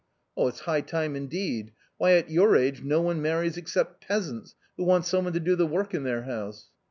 " It's high time indeed ! Why at your age no one marries except peasants, who want some one to do the work in their house."